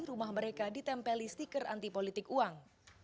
rumah mereka ditempeli stiker anti politik uang